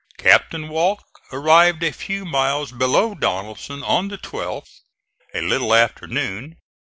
Captain Walke arrived a few miles below Donelson on the 12th, a little after noon.